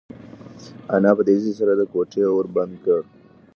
انا په تېزۍ سره د کوټې ور بند کړ.